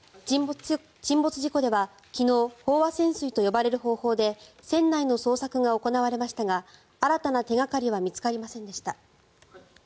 沈没事故では昨日飽和潜水と呼ばれる方法で船内の捜索が行われましたが新たな手掛かりは見つかりませんでした。